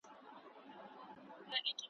شپه په اوښکو لمبومه پروانې چي هېر مي نه کې ,